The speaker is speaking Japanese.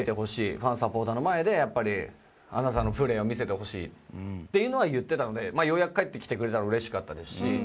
ファンサポーターの前でやっぱりあなたのプレーを見せてほしいっていうのは言ってたのでようやく帰ってきてくれたのは嬉しかったですし。